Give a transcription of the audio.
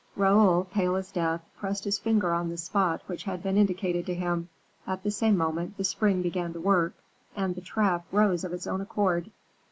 Raoul, pale as death, pressed his finger on the spot which had been indicated to him; at the same moment the spring began to work, and the trap rose of its own accord.